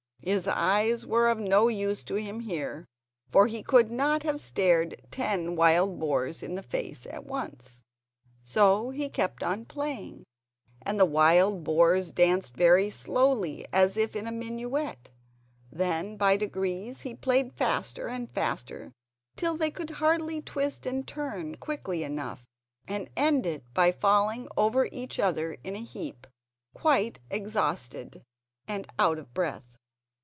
His eyes were of no use to him here, for he could not have stared ten wild boars in the face at once; so he kept on playing, and the wild boars danced very slowly, as if in a minuet, then by degrees he played faster and faster till they could hardly twist and turn quickly enough, and ended by all falling over each other in a heap, quite exhausted and out of breath.